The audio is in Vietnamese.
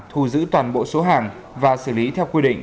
thu giữ toàn bộ số hàng và xử lý theo quy định